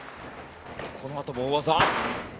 このあとも大技。